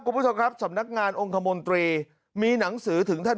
คุณผู้ชมครับสำนักงานองค์คมนตรีมีหนังสือถึงท่าน